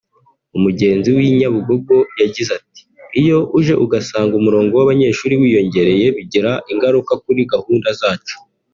umugenzi w’i Nyabugogo yagize ati ”iyo uje ugasanga umurongo w’abanyeshuri wiyongereye bigira ingaruka kuri gahunda zacu